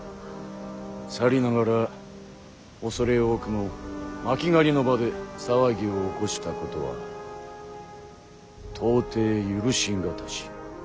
さりながら恐れ多くも巻狩りの場で騒ぎを起こしたことは到底許し難し。